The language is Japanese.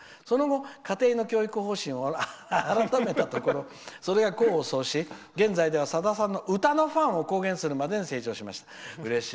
その後、家庭の教育方針を改めたところ、それが功を奏し現在では、さださんの歌のファンを公言するまでに成長しました。